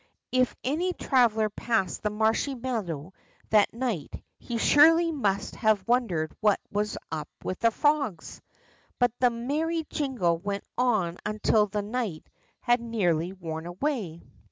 If any traveller passed the marshy meadow that night, he surely must have wondered what was up with the frogs. But the merry jingle went on until the night had nearly worn away.